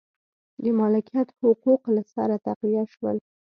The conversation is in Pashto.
د مالکیت حقوق له سره تقویه شول.